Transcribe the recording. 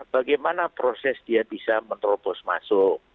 bagaimana proses dia bisa menerobos masuk